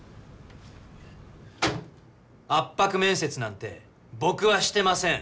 圧迫面接なんて僕はしてません。